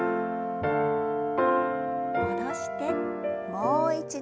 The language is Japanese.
戻してもう一度。